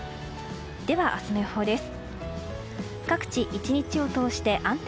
では、明日の予報です。